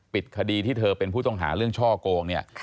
ปิดคดีที่เธอเป็นผู้ต้องหาเรื่องช่อโกงเนี่ย